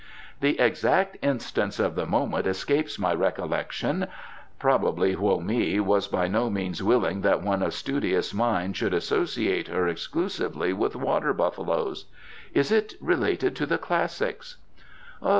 "The exact instance of the moment escapes my recollection." Probably Hoa mi was by no means willing that one of studious mind should associate her exclusively with water buffaloes. "Is it related in the Classics?"